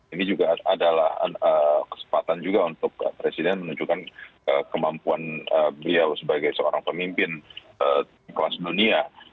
ini juga adalah kesempatan juga untuk presiden menunjukkan kemampuan beliau sebagai seorang pemimpin kelas dunia